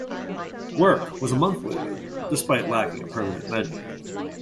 "Work" was a monthly event, despite lacking a permanent venue.